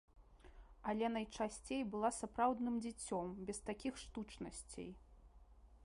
Але найчасцей была сапраўдным дзіцём, без такіх штучнасцей.